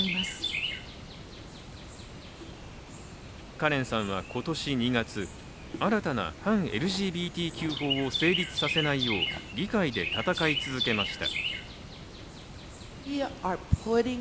カレンさんは今年２月新たな反ＬＧＢＴＱ法を成立させないよう、議会で闘い続けました。